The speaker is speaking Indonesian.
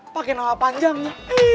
pakai nama panjangnya